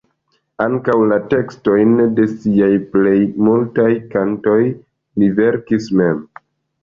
Ankaŭ la tekstojn de siaj plej multaj kantoj li verkis mem.